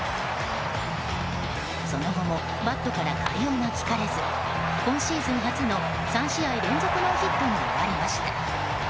その後もバットから快音は聞かれず今シーズン初の３試合連続ノーヒットに終わりました。